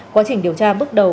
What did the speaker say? quá trình điều tra bước đầu